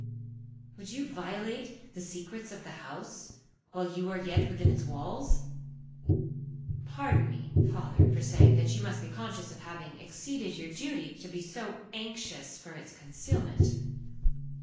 —would you violate the secrets of the house, while you are yet within its walls?'—'Pardon me, my father, for saying, that you must be conscious of having exceeded your duty, to be so anxious for its concealment.